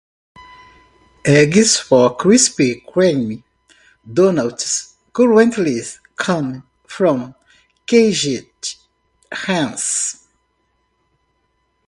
Eggs for Krispy Kreme donuts currently come from caged hens.